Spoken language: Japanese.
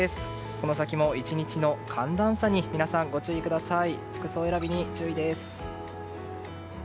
この先も１日の寒暖差に皆さん、ご注意ください。